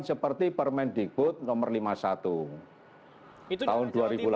seperti permendikbud nomor lima puluh satu tahun dua ribu delapan belas